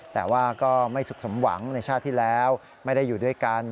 แต่ว่าก็ไม่สุขสมหวังในชาติที่แล้วไม่ได้อยู่ด้วยกัน